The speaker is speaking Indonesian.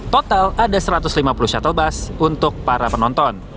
total ada satu ratus lima puluh shuttle bus untuk para penonton